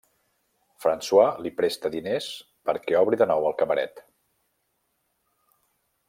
François li presta diners perquè obri de nou el cabaret.